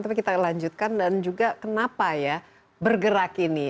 tapi kita lanjutkan dan juga kenapa ya bergerak ini